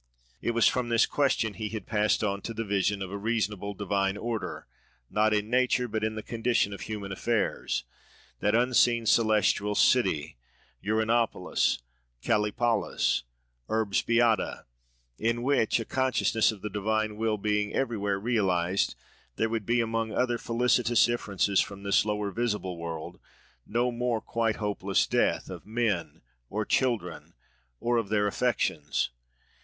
It was from this question he had passed on to the vision of a reasonable, a divine, order, not in nature, but in the condition of human affairs—that unseen Celestial City, Uranopolis, Callipolis, Urbs Beata—in which, a consciousness of the divine will being everywhere realised, there would be, among other felicitous differences from this lower visible world, no more quite hopeless death, of men, or children, or of their affections.